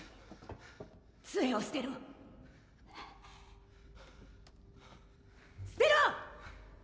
杖を捨てろ捨てろ！